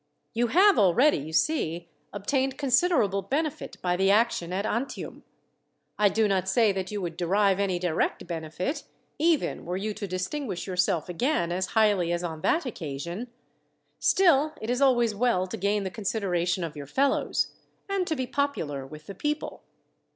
"You have already, you see, obtained considerable benefit by the action at Antium. I do not say that you would derive any direct benefit, even were you to distinguish yourself again as highly as on that occasion. Still, it is always well to gain the consideration of your fellows, and to be popular with the people.